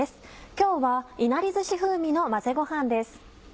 今日はいなりずし風味の混ぜご飯です。